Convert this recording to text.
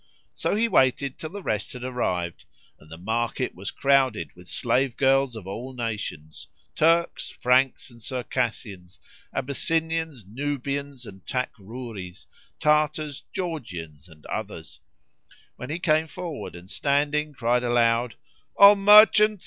So he waited till the rest had arrived and the market was crowded with slave girls of all nations, Turks, Franks and Circassians; Abyssinians, Nubians and Takrúrís;[FN#31] Tartars, Georgians and others; when he came forward and standing cried aloud, "O merchants!